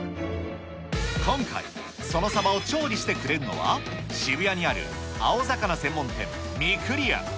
今回、そのサバを調理してくれるのは、渋谷にある青魚専門店、御厨。